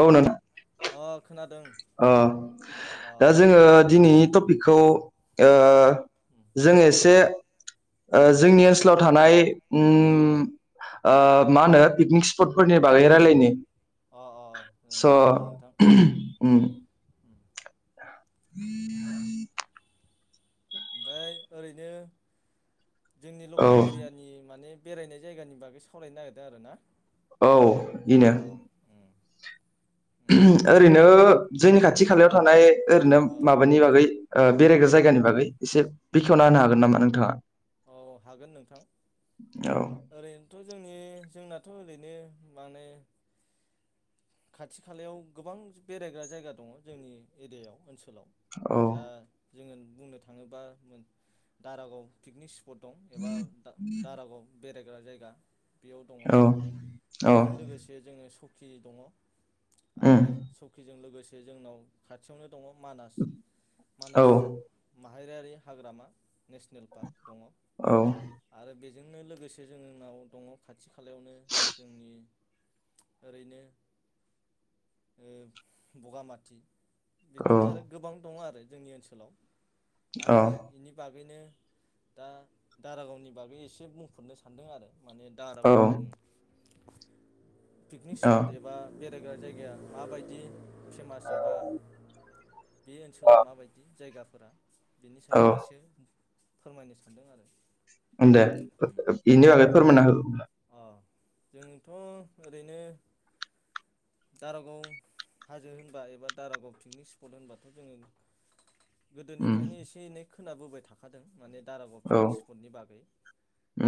औ नोंथा अ खोनादों अ अ दा जोङो दिनि टपिकखौ ओ उम जों एसे जोंनि ओनसोलाव थानाय औ उम ओ मा होनो पिकनिक स्पटफोरनि बागै रायलायनि। अ अ ओ स' जागोन नोंथां। उम उम उम [inaudible] ओमफ्राय ओरैनो। जोंनि औ लकेल एरियानि माने। बेरायनाय जायगानि बागै सावरायनो नागिरदों आरो ना। औ इनो उम ओरैनो जोंनि खाथि खालायाव थानाय। ओरैनो अ माबानि बागै आ बेरायग्रा जायगानि बागै एसे बेखेवना होनो हागोन नामा नोंथाङा। औ हागोन नोंथां औ ओरैनो। जोंनि जोंनाथ' ओरैनो माने। खाथि खालायाव गोबां बेरायग्रा जायगा दङ जोंनि एरियायाव ओनसोल। ओ औ जोङो बुंनो थाङोबा दारागाव पिकनिक सिफथ दं एबा दारागाव। बेरायग्रा जायगा। बेयाव दङ औ औ बेजों लोगोसे जोङो स दङ। आरो उम सकिजों लोगोसे। जोंनाव खाथियावनो। दङ मानास औ मानास म माहारिआरि हाग्रामा। नेसनेल पार्क दङ औ आरो। बेजोंनो लोगोसे जों नाव दङ खाथि खा खालायावनो जोंनि ओरैनो बगामाथि। बिदिनो आरो गोबां दङ आरो। जोंनि ओनसोलाव आङो बेनि बागैनो दा दारागावनि बागै एसे बुंफोरनो सानदों आरो। माने औ दारागाव पिकनिक स्पट औ एब बेरायग्रा जायगाया माबायदि फेमास एबा बे ओनसोला माबायदि जायगाफोरा? बिनि औ सायगाव एसे फोरमायनो सानदों आरो। ओम दे बिनि बागै फोरमायना हो। अ जोंथ' ओरैनो दारागाव हाजो होनबा एबा दारागाव पिकनिक स्पट होनबाथ' जोङो उम गोदोनिफ्रायनो एसे एनै खोनाबोबाय थाखादों माने दारागाव औ पिकनिक स्पटनि बागै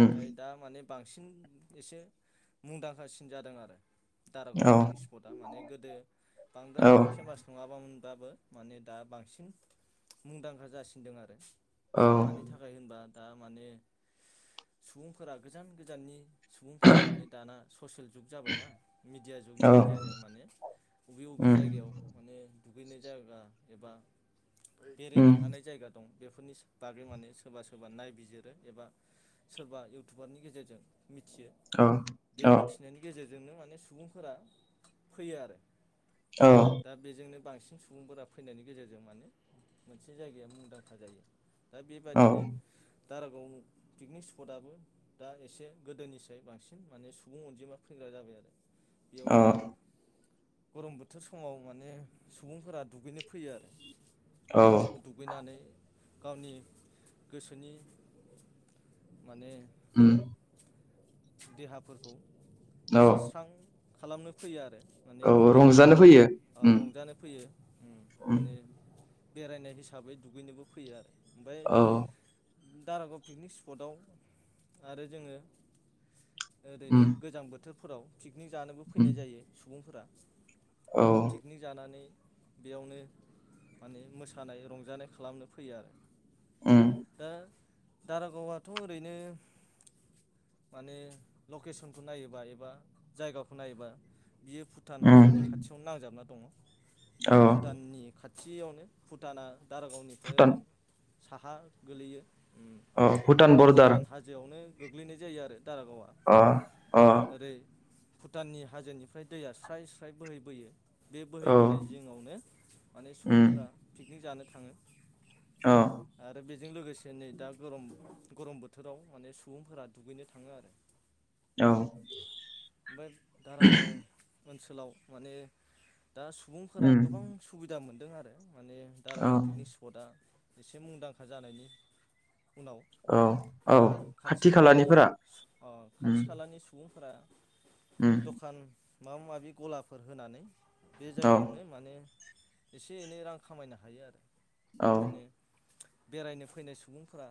उम दा माने बांसिन एसे मुंदांखासिन जादों आरो। दारागाव औ पिकनिक स्पटआ माने गोदो बांद्राय औ फेमास नङाबामोन। बाबो माने दा बांसिन मुंदांखा जासिनदों आरो। औ मानि थाखाय होनबा दा माने सुबुंफोरा गोजान गोजाननि सुबुंफोरा माने दाना ससियेल जुग जाबायना मेडिया जुगनि औ गेजेरजों माने बबे बबे उम जायगायाव माने दुगैनाय जायगा एबा उम बेरायनो हानाय जायगा दं। बेफोरनि बागै माने सोरबा सोरबा नायबिजिरो एबा सोरबा इउटुबारनि गेजेरजों मिथियो औ बे औ मिथिनायनि गेजेरजों बेजोंनो माने सुबुंफोरा फैयो आरो। औ दा बेजोंनो बांसिन सुबुंफोरा फैनायनि गेजेरजों माने मोनसे जायगाया मुंदांखा जायो। दा बेबादिनो औ दारागाव पिकनिक स्पटआबो दा एसे गोदोनिसाय बांसिन माने सुबुं अनजिमा फैग्रा जाबाय आरो। बेयाव दा गरम बोथोर समाव माने सुबुंफोरा दुगैनो फैयो आरो। औ दुगैनानै गावनि गोसोनि माने ओम देहाफोरखौ औ एसे स्रां खालामनो फैयो आरो। माने औ दुगैनो रंजानो फैयो ओ उम रंजानो फैयो उम माने बेरायनाय हिसाबै दुगैनोबो फैयो आरो। ओमफाय औ दारागाव पिकनिक स्पटआव आरो जोङो उम ओरैनो गोजां बोथोर फोराव पिकनिक जानोबो उम फैनाय जायो सुबुंफोरा औ पिकनिक जानानै बेयावनो माने मोसानाय रंजानाय खालामनो फैयो आरो। उम दा दारागावआथ' ओरैनो माने लकेसनखौ नायोबा एबा जायगाखौ नायोबा बियो भुटान उम हाजोनि खाथियावनो नांजाबना दङ औ भुटाननि खा थियावनो भुटाना दारागावनिफ्राय ओजों साहा गोलैयो। उम अ भुटान माने बरदार हाजोआवनो गोग्लैनाय जायो आरो। दारागावआ अ अ ओरै भुटाननि हाजोनिफ्राय दैया स्राय स्राय बोहैबोयो। बे औ बोहैबोनाय जिङावनो माने उम सुबुंफोरा पिकनिक जानो थाङो। औ आरो बे जों लोगोसे नै दा गरम-गरम बोथोराव माने सुबुं फोरा दुगैनो थाङो आरो। औ ओमफाय दारागाव ओनसोलाव माने दा सुबुंफोरा उम गोबां सुबिदा मो दों आरो माने औ दारागाव पिकनिक स्पटआ इसे मुंदांखा जानायनि उनाव ओ औ औ खाथ खाथि खालानि खालानिफोरा अ खाथि उम खालानि सु [inaudible] उम [inaudible] द'खान माबा माबि गलाफोर होनानै बे औ जायगायावनो माने इसे एनै रां खामायनो हायो औ माने बेरायनो फैनाय सुबुंफोरा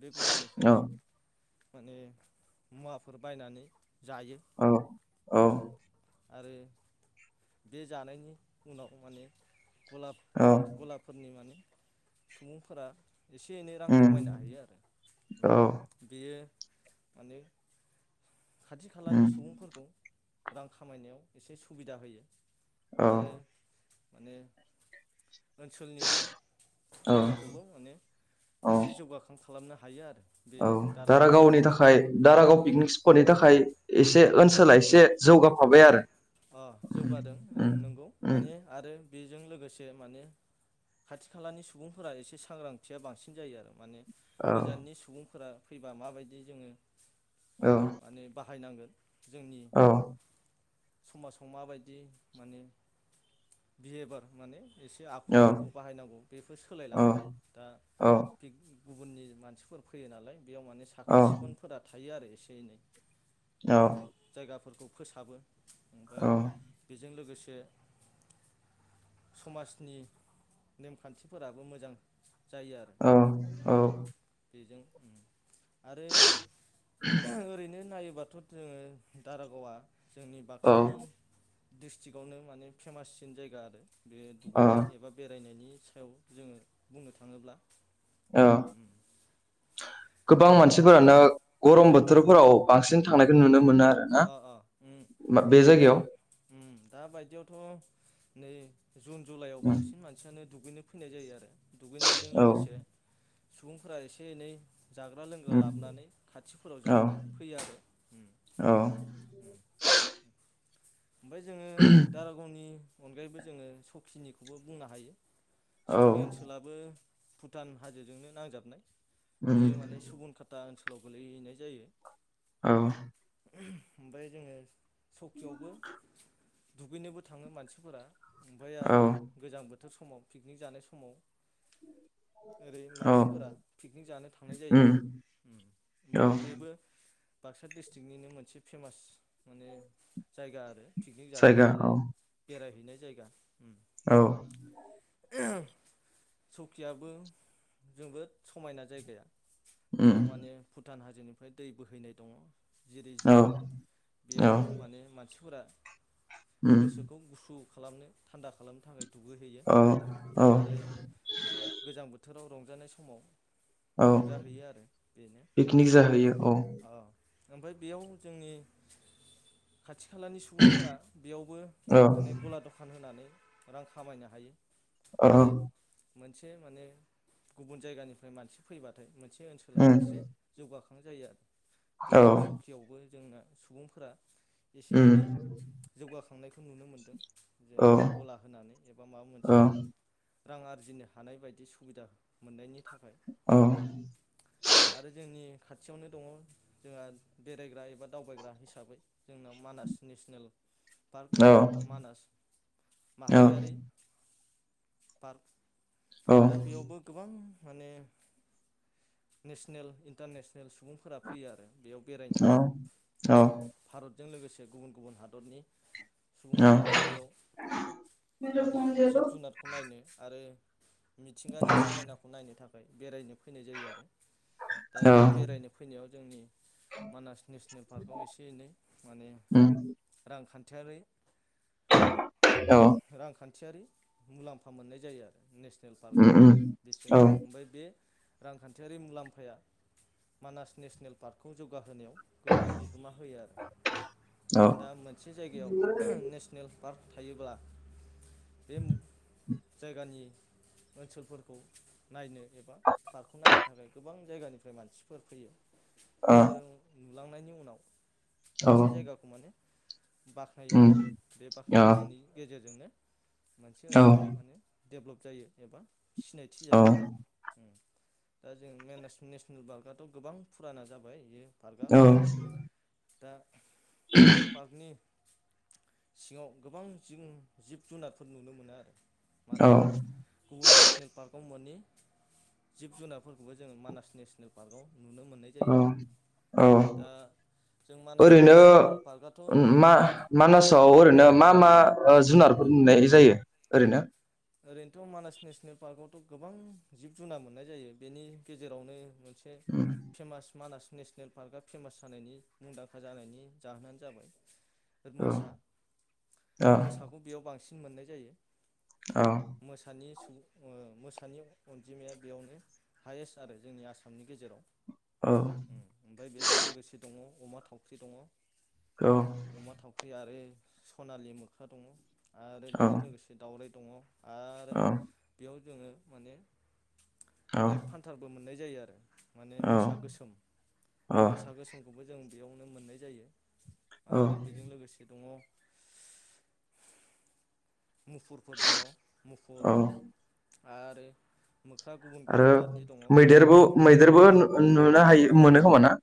बे औ गलानिफ्रायनो [unintelligible] जायो औ औ [inaudible] [inaudible] गला औ गलाफोरनि माने सुबुंफोरा इसे एनै रां उम खामायनो हायो आरो औ उम [inaudible] [inaudible] रां खामायनायाव एसे सुबिदा होयो औ आरो [inaudible] ओनसोलनि औ जायगाखौबो माने औ एसे जौगाखांख खालामनो हायो आरो औ दारागावनि थाखाय दारागाव पिकनिक स्पटनि थाखाय एसे ओं ओनसोला एसे जौगाफ अ जौगादों ओं उम नंगौ उम माने आरो। बेजों लोगोसे माने खाथि खालानि सुबुंफोरा एसे सांग्रांथिया बांसिन जायो आरो माने औ गोजाननि सुबुंफोरा फैबा माबायदि जोङो। औ। माने बाहायनांगोन। जोंनि औ समाजाव माबायदि माने बिहेभार माने एसे औ आखुफोरखौ बाहायनांगौ बेफोर औ सोलायलाङो दा औ गुबुननि मानसिफोर फैयो नालाय। बेयाव माने औ साखोन- सिखोनफोरा थायो आरो एसे -एनै औ जायगाफोरखौ फोसाबो। ओमफ्राय बेजों लोगोसे समाजनि नेमखान्थिफोराबो मोजां। जायो आरो। औ उम बेजों आरो ओरैनो नायोब्ला सोरबाथ' जोङो दारागावा जोंनि औ बाक्सानि दिडिस्ट्रिकआवनो माने फेमाससिन जायगा आरो बे दुगैनाय एबा बेरायनायनि सायाव जोङो बुंनो थाङोब्ला औ उम [inaudible] [inaudible] गोबां आरो दारा मानसिफोरानो अ गरम बोथोरफोराव बांसिन थांनायखौ नुनो मोनो आरोना अ अ उम मा बे दा जायगायाव उम दा बायदियावथ' नै जुन जुलाइआव बांसिन मानसियानो दुगैनो फैनाय जायो आरो दुगैनायजों उम औ लोगोसे सुबुंफोरा एसे- एनै जाग्रा लोंग्रा उम लाबोनानै खाथिफोराव औ जानो फैयो आरो [inaudible] ओमफ्राय जोङो दारागावनि अनगायैबो जोङो सखिनिखौबो बुंनो हायो। औ सकि ओनसोलाबो भुटान हाजोजोंनो नांजाबनाय उम बियो माने सुबुन खाता ओनसोल गोलाव गोलैहैनाय जायो औ ओमफ्राय जोङो सकियावबो दुगैनोबो थाङो मानसिफोरा ओमफाय औ आरो गोजां बोथ बोथोर समाव पिकनिक जानाय समाव ओरै औ मानसिफोरा पिकनिक जानो थांनाय जायो उम आरो औ ओमफ्राय बेबो बाक्सा डिस्ट्रिकनिनो मोनसे फेमास माने जायगा आरो पिकनिक जाग्रा जायगा आरो औ बेरायहै बिनाय जायगा ओम औ सौकियाबो जोबोद समायना जायगाया उम बेयाव माने भुटान हाज जोंनिफ्राय दै बोहैनाय दङ जिरै औ जिरि बेयाव औ माने मानसि फुरा उम गोसोखौ गुसु खालामनो थान्दा खालामनो थाखाय दुगैहैयो औ औ आरो गोजां बोथोराव रंज रुजानाय समाव औ रंजाहैयो आरो बेनो पिकनिक ओमफ्राय जाहैयो औ ओमफ्राय बेयाव जोंनि खाथि खालानि फोरा बेयावबो औ माने गला दखान होनानै रां खामायनो हायो। औ आरो मोनसे माने गुबुन जायगानिफ्राय मानसि फैबाथाय मोन से ओनसोला उम एसे जौगाखां थां जायो आरो औ बेयावबो सखियावबो जोंना सुबुंफोरा एसे उम एनै जौगाखांनायखौ नुनो मोनदों जे औ गला होनानै एबा माबा औ मोनसे रां आरजिनो हानाय बायदि सुबिदा मोननायनि थाखाय आरो जोंनि खाथियावनो दङ जोंहा बेरायग्रा एबा दावबायग्रा हिसाबै जोंनाव मानास नेसनेल पार्क एबा मानास उम औ माहारियारि पार्क दा बेयावबो गोबां माने नेसनेल इन्टारनेसनेल सुबुंफोरा फैयो आरो बेयाव बेरायनो ओम भारत जों लोगोसे गुबुन गुबुन हादरनि सुबुंफोराबो बेयाव माने जिब जुनारखौ नायनो आरो मिथिंगानि समायनाखौ नायनो था खाय बेरायनो फैनाय जायो आरो दा बे बेरायनो फैनायाव जोंनि मानास नेसनेल पार्कआव एसे एनै माने रांखान थियारि रांखान्थियारि मुलाम्फा मोननाय जायो आरो नेस नेल उम पार्कआव उम बिसोरो औ ओमफ्राय बे रांखान्थियारि मुलाम्फाया मानास नेसनेल पार्कखौ जौगाहोनायाव गोबां बिहोमा होयो आरो दा मोनसे जायगायाव नेसनेल पार्क थायोब्ला बे जायगानि ओनसोलफोरखौ नायनो एबा पार्कखौ नायनो थाखाय गोबां जायगानिफ्राय मानसिफोर फैयो। बिसोरो नुलांनायनि उनाव मोनसे जायगाखौ माने बाख्नायो आरो बे बाख्नायनायनि गेजेरजोंनो मोनसे ओनसोला माने देभलप जायो एबा सिनायथि जायो आरो दा जों म नेसनेल पार्कआथ' गोबां फुराना जाबाय पार्कआ औ दा बे पार्कनि सिङाव गोबां जिं जिब जुनारफोर नुनो मोनो आरो औ माने गुबुन नेसनेल पार्कआव मोन [unintelligible] जिब जुनारफोरखौबो जोङो मानास नेसनेल पार्कआव नुनो मोननाय जायो औ आरो औ दा जों मानास ओरैनो नेसनेल पार्कआथ' मा उम उम मानासाव ओरैनो मा मा ओ उम जुनारफोर नुनाय जायो ओरैनो ओरैनोथ' मानास नेसनेल पार्कआवथ' गोबां जिब जुनार मोननाय जायो बेनि गेजेरावनो मोन मोनसे उम, फेमास मानास नेसनेल पार्कआ फेमास जानायनि मुंदांखा जानायनि जाहोनानो जाबाय औ मोसा औ मोसाखौ बेयाव बांसिन मोननाय जायो मोसानि स मोसानि अनजिमाया बेयावनो हायेस्ट आरो जोंनि आसामनि गेजेराव औ ओम ओमफ्राय बेजों लोगोसे दङ अमा थावख्रि दङ औ अमा थावख्रि आरो सनालि मोख्रा दङ आरो औ बेजों लोगोसे दावराइ दङ आरो औ बेयाव जोङो माने ब्लेक फान्थारबो मोननाय जायो आरो माने औ मोसा गोसोम औ मोसा गोसोमखौबो जों बेयावनो मोननाय जायो आरो बेजों लोगोसे दङ मुफुरफोर दङ मुफुर औ आरो मोख्रा गुबुन आरो गुबुन जातनि दङ मैदेरबो मैदेरबो नुनो हायो। मोनो खोमा ना।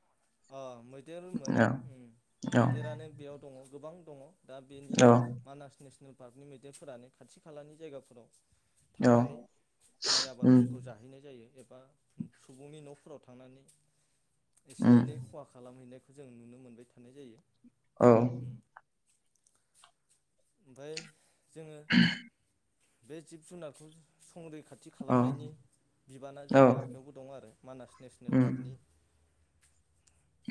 अम मैदेर मोनो औ औ मैदेरानो बेयाव दङ। गोबां दङ दा बेनि औ मानास नेसनेल पार्कनि मैदेरफोरानो खाथि खालानि जायगाफोराव। औ थांनानै माइ उम आबादफोरखौ जाहैनाय जायो एबा। बा सुबुंनि नफोराव थांनानै। एसे उम एनै खालामहैनायखौ जों नुनो मोनबाय थानाय जायो। औ ओमफ्राय जोङो। बे जिब जुनारफोरखौ संरैखाथि औ खालामनायनि बिबाना औ जोंनि आखायावबो दं आरो मानास नेसनेल उम पार्कनि।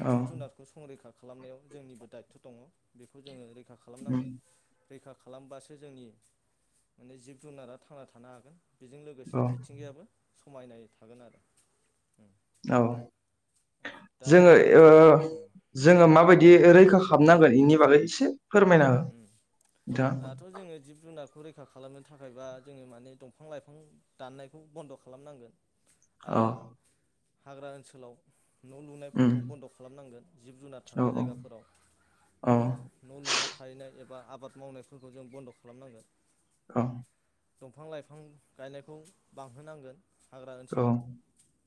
औ जिब जुनारखौ संरैखा। खालामनायाव जोंनिबो दायथ दङ बेखौ जोङो। आथा खालामनांगोन। उम रैखा खालामबासो जोंनि माने जिब जुनारा थांना थानो हागोन। बेजों लोगोसे औ मिथिंगायाबो। समायनाय थागोन आरो उम औ उम दा जोङो ओ जोङो माबदि। दे रैखा खालामनांगोन बेनि बागै एसे। फोरमायना हो उम नोंथांङा। खौ रैखा खालामनो थाखायबा जोङो माने दंफां लाइफां दाननायखौ बन्द खालामनांगोन। औ आरो हाग्रा ओनसोलाव। न उम लुनायफोरखौ बन्द खालामनांगोन जिब जुनार औ थाग्रा जायगाफोराव औ न लुना। एबा आबाद मावनायफोरखौ जों बन्द खालामनांगोन। औ दंफां लाइफां गायनायखौ बांहोनांगोन। हाग्रा औ ओनसोलाव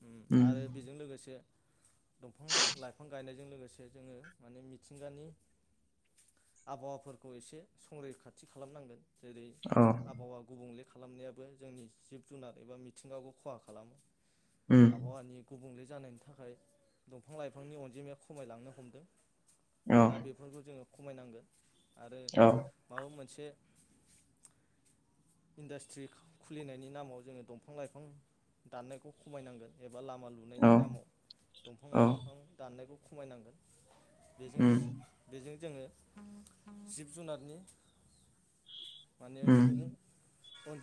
उम आरो बेजों लोगोसे। दंफां लाइफां गायनायजों लोगोसे जोङो माने मिथिंगानि आबहावाफोरखौ एसे संरैखाथि खालामनांगोन। जेरै औ आबहावा गुबुंले खालामनायाबो जोंनि जिब जुनार एबा मिथिंगाखौ खहा खालामो। उम आबहावनि गुबुंले जानायनि थाखाय दंफां लाइफांनि अनजिमाया खमायलांनो हमदों। औ दा बेफोरखौ जोङो खमायनांगोन आरो औ माबा मोन से इन्डास्ट्रि खुलिनायनि नामाव जोङो दंफां लाइफां दाननायखौ खमायनांगोन ए बा लामा औ लुनायनि नामाव दंफां औ लाइफां दाननायखौ खमायनांगोन। बेजों उम बेजों जोङो जिब जुनारनि माने उम सुबुं अन